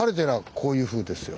こういうふうですよ。